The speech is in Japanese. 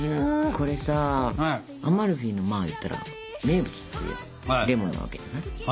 これさアマルフィのまあ言ったら名物といえばレモンなわけじゃない？